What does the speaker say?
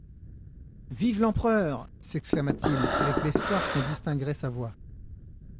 Vive l'Empereur ! s'exclama-t-il, avec l'espoir qu'on distinguerait sa voix.